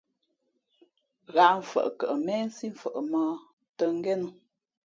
Ghǎʼmfαʼ kαʼ méhsí mfαʼ mᾱᾱ tᾱ ngénᾱ.